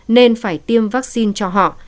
nên phải tiêm vaccine cho họ